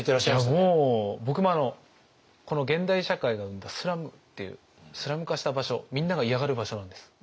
いやもう僕も現代社会が生んだスラムっていうスラム化した場所みんなが嫌がる場所なんです。